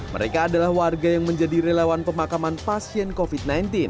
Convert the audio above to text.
mereka adalah warga yang menjadi relawan pemakaman pasien covid sembilan belas